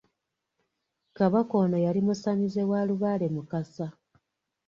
Kabaka ono yali musamize wa lubaale Mukasa